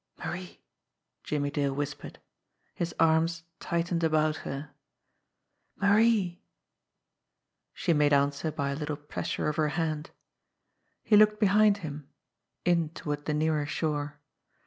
"Marie!" Jimmie Dale whispered. His arms tightened about her. "Marie!" She made answer by a little pressure of her hand. He looked behind him in toward the nearer shore.